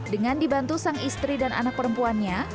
dengan dibantu sang istri dan anak perempuannya